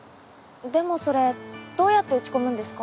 でもそれどうやって打ち込むんですか？